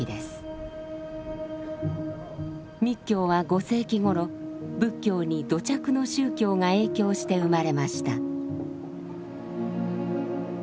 密教は５世紀頃仏教に土着の宗教が影響して生まれました。